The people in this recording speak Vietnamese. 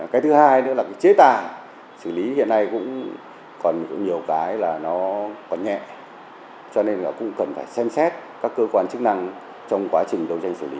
cái thứ hai nữa là cái chế tài xử lý hiện nay cũng còn nhiều cái là nó còn nhẹ cho nên là cũng cần phải xem xét các cơ quan chức năng trong quá trình đấu tranh xử lý